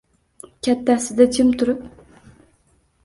Kattasida jim turib